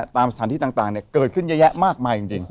ตามสถานที่ต่างเนี่ยเกิดขึ้นแยะมากมายจริง